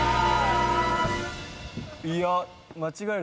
いや間違えると。